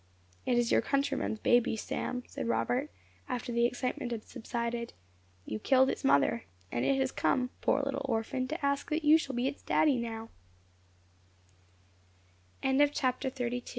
"It is your countryman's baby, Sam," said Robert, after the excitement had subsided. "You killed its mother, and it has come, poor little orphan, to ask that you shall be its d